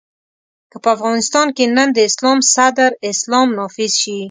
که په افغانستان کې نن د اسلام صدر اسلام نافذ شي.